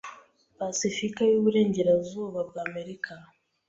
Pasifika y'Uburengerazuba bwa Amerika